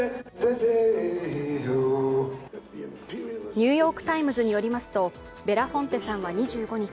「ニューヨーク・タイムズ」によりますとベラフォンテさんは２５日